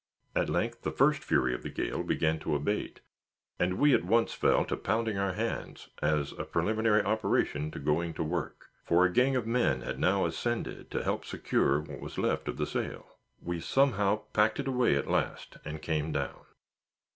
At length the first fury of the gale began to abate, and we at once fell to pounding our hands, as a preliminary operation to going to work; for a gang of men had now ascended to help secure what was left of the sail. We somehow packed it away at last, and came down.